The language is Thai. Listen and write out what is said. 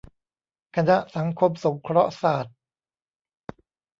คณะสังคมสงเคราะห์ศาสตร์